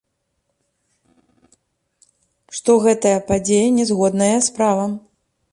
Што гэтая падзея не згодная з правам.